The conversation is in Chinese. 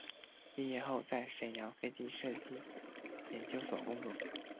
毕业后在沈阳飞机设计研究所工作。